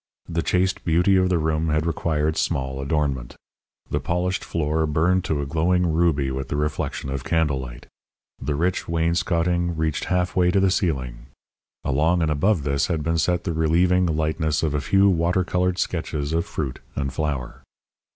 The chaste beauty of the room had required small adornment. The polished floor burned to a glowing ruby with the reflection of candle light. The rich wainscoting reached half way to the ceiling. Along and above this had been set the relieving lightness of a few water colour sketches of fruit and flower.